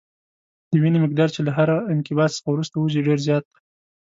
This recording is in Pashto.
د وینې مقدار چې له هر انقباض څخه وروسته وځي ډېر زیات دی.